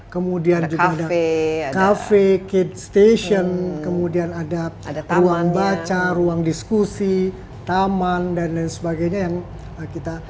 kemudian juga ada kafe kemudian ada ruang baca ruang diskusi taman dan lain sebagainya